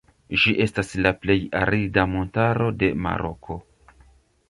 Ĝi estas la plej arida montaro de Maroko.